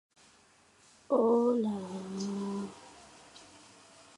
Tras ser cortado a principios de marzo, el base fichó por Dallas Mavericks.